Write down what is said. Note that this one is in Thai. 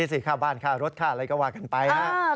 ใช่สิครับบ้านค่ะรถค่าอะไรก็ว่ากันไปฮะ